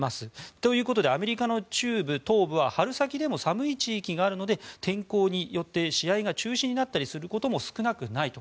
ということでアメリカの中部、東部は春先でも寒い地域があるので天候によって試合が中止になったりすることも少なくないと。